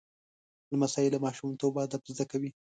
لمسی له ماشومتوبه ادب زده کوي.